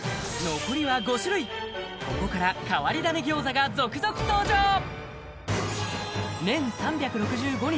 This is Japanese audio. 残りは５種類ここから変わり種餃子が続々登場年３６５日